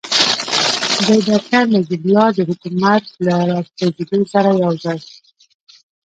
د ډاکتر نجیب الله د حکومت له راپرځېدو سره یوځای.